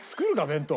弁当。